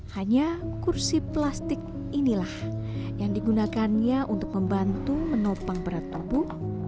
hanya kursi plastik inilah yang digunakannya untuk membantu menopang berat tubuh